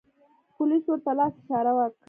پولیس ورته لاس اشاره و کړه.